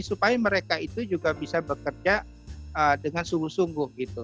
supaya mereka itu juga bisa bekerja dengan sungguh sungguh gitu